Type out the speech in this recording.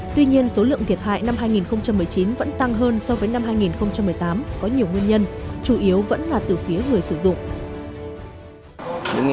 tuy nhiên số lượng thiệt hại năm hai nghìn một mươi chín vẫn tăng hơn so với năm hai nghìn một mươi tám có nhiều nguyên nhân chủ yếu vẫn là từ phía người sử dụng